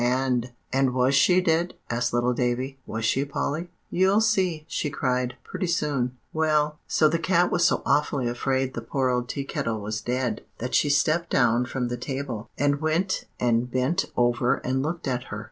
'And'" "And was she dead?" asked little Davie; "was she, Polly?" "You'll see," she cried, "pretty soon. Well, so the cat was so awfully afraid the poor old Tea Kettle was dead, that she stepped down from the table, and went and bent over and looked at her.